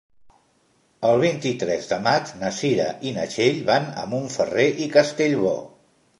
El vint-i-tres de maig na Cira i na Txell van a Montferrer i Castellbò.